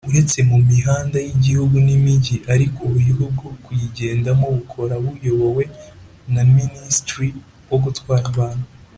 uretse mumuhanda y’igihugu n’imigi ariko uburyo bwo kuyigendamo bukora buyobowe na ministre wo gutwara abantu